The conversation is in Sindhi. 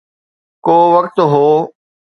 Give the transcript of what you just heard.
ڪو وقت هو